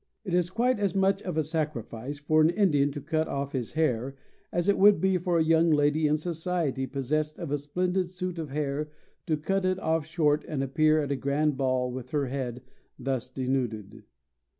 It is quite as much of a sacrifice for an Indian to cut off his hair as it would be for a young lady in society possessed of a splendid suit of hair to cut it off short and appear at a grand ball with her head thus denuded.